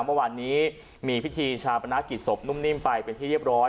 เมื่อวานนี้มีพิธีชาปนกิจศพนุ่มนิ่มไปเป็นที่เรียบร้อย